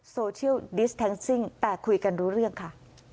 โซเชียลดิสแท็กซิ่งแต่คุยกันรู้เรื่องค่ะ